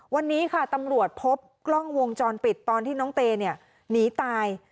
วันนี้ค่ะตำรวจพบกล้องวงจรปิดตอนที่น้องเตเนี่ยหนีตาย